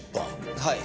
はい。